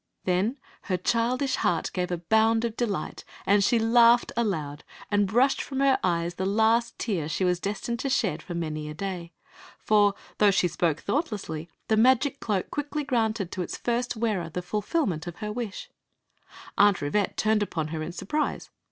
Then her childish heart gave a bound of delight, and she laughed aloud and brushed from her eyes the last tear she was destined to shed for many a day. For, though she spoke thoughtlessly, the magic cloak quickly granted to its first wearer the ful^ment of her wish. ' Aunt Rivette turned upon her in surprise.